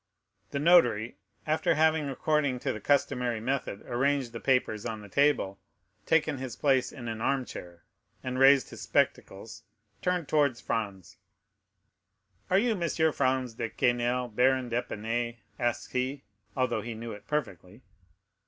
The notary, after having, according to the customary method, arranged the papers on the table, taken his place in an armchair, and raised his spectacles, turned towards Franz: "Are you M. Franz de Quesnel, baron d'Épinay?" asked he, although he knew it perfectly.